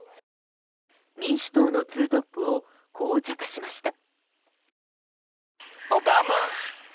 民主党のツートップをこう茶化しました。